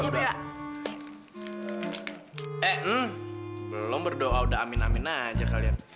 ehm belum berdoa udah amin amin aja kalian